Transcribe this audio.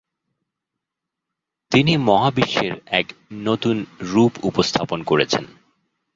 তিনি মহাবিশ্বের এক নতুন রূপ উপস্থাপন করেছেন।